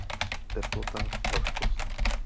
Teplota, vlhkost